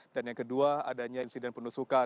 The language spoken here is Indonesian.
dan yang kedua adanya insiden penusukan